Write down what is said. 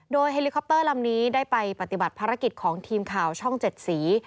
โดยเฮลิคอปเตอร์ลำนี้ได้ไปปฏิบัติภารกิจของทีมข่าวช่องเจ็ดสี